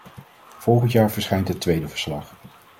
Volgend jaar verschijnt het tweede verslag.